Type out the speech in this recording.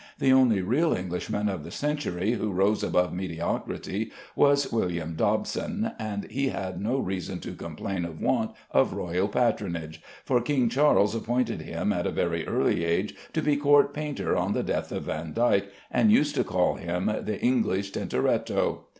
The only real Englishman of the century who rose above mediocrity was William Dobson, and he had no reason to complain of want of royal patronage, for King Charles appointed him at a very early age to be court painter on the death of Vandyke, and used to call him the English Tintoretto.